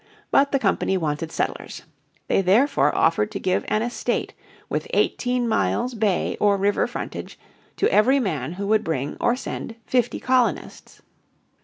But the company wanted settlers. They therefore offered to give an estate with eighteen miles' bay or river frontage to every man who would bring, or send, fifty colonists.